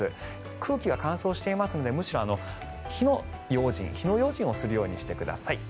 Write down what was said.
空気が乾燥していますのでむしろ、火の用心をするようにしてください。